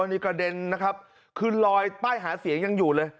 นี่กระเด็นนะครับคือลอยป้ายหาเสียงยังอยู่เลย